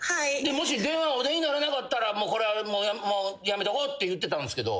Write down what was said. もし電話お出にならなかったらこれはもうやめとこうって言ってたんですけど。